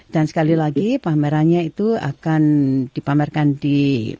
dan sekali lagi pamerannya itu akan dipamerkan di